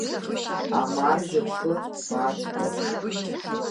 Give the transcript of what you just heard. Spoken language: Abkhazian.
Амарџьа, бхы бацклаԥш…